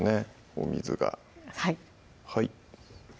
お水がはい